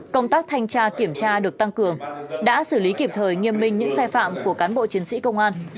công tác thanh tra kiểm tra được tăng cường đã xử lý kịp thời nghiêm minh những sai phạm của cán bộ chiến sĩ công an